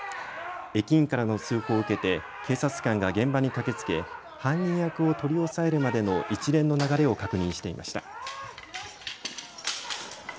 駅員からの通報を受けて警察官が現場に駆けつけ犯人役を取り押さえるまでの一連の流れを確認していました。